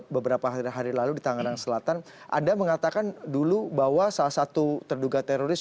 beberapa hari lalu di tangerang selatan anda mengatakan dulu bahwa salah satu terduga teroris